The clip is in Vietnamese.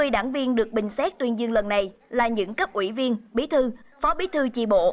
hai mươi đảng viên được bình xét tuyên dương lần này là những cấp ủy viên bí thư phó bí thư chi bộ